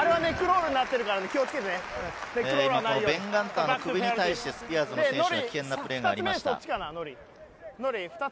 ベン・ガンターの首に対して、スピアーズの選手の危険なプレーがありました。